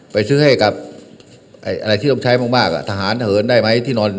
ไปซื้อให้กับอะไรที่ต้องใช้มากอ่ะทหารเหินได้ไหมที่นอน